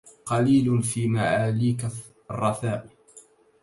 قليل في معاليك الرثاء